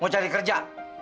mau cari kerja